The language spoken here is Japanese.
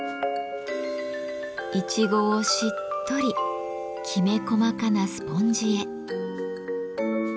イチゴをしっとりきめ細かなスポンジへ。